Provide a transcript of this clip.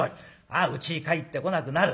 うちに帰ってこなくなる。